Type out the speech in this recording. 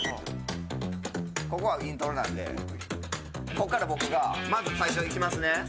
ここはイントロなんでここから僕がまず最初にいきますね。